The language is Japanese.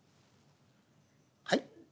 「はい？」。